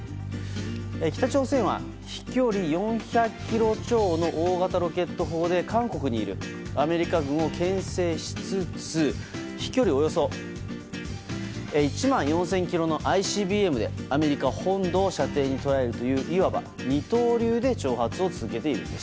北朝鮮は飛距離４００ｋｍ超の大型ロケット砲で韓国にいるアメリカ軍を牽制しつつ飛距離およそ１万４０００ｋｍのＩＣＢＭでアメリカ本土を射程に捉えるといういわば二刀流で挑発を続けているんです。